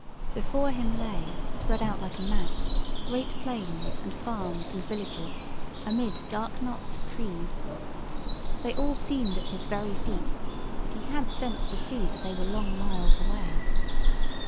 Before him lay, spread out like a map, great plains, and farms, and villages, amid dark knots of trees. They all seemed at his very feet; but he had sense to see that they were long miles away.